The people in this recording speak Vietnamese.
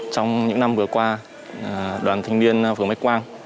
trong những năm vừa qua đoàn thanh niên phường bách quang